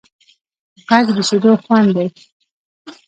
غږ د شیدو خوند دی